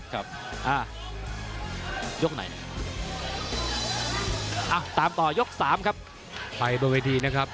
ครับอ่ายกไหนอ่ะตามต่อยกสามครับไปบนเวทีนะครับ